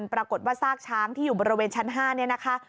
ปรากฏว่าซากช้างที่อยู่บริเวณชั้น๕เนี่ยนะคะ